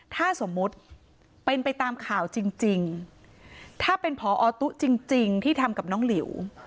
ถ้าสมมุติเป็นไปตามข่าวจริงถ้าเป็นพอตุ๊จริงที่ทำกับน้องหลิว